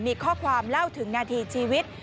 มีข้อความเล่าถึงนาทีชีวิต